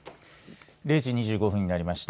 ０時２５分になりました。